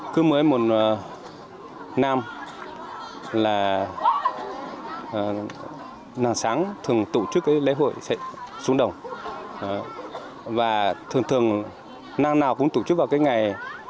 cứ mới một năm là nàn sáng thường tổ chức lễ hội xuống đồng và thường thường nàng nào cũng tổ chức vào cái ngày